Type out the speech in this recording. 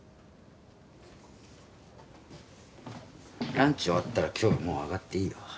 ランチ終わったら今日はもう上がっていいよ。